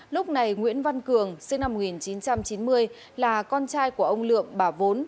lúc này nguyễn văn cường sinh năm một nghìn chín trăm chín mươi là con trai của ông lượng bà vốn